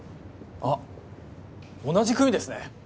あっ同じ組ですね